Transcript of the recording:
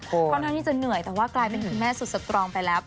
ก็นักนี้จะเหนื่อยแต่กลายเป็นแม่สุดสตรองไปแล้ว